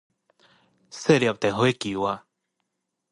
細粒電火球仔